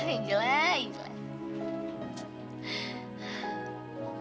angel lah angel lah